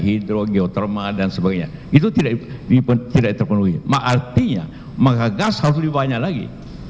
hidrogeoterma dan sebagainya itu tidak dipenuhi maka artinya maka gas harus dibanyak lagi